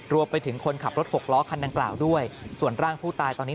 รวมไปถึงคนขับรถหกล้อคันดังกล่าวด้วยส่วนร่างผู้ตายตอนนี้